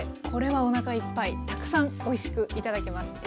これはおなかいっぱいたくさんおいしく頂けます。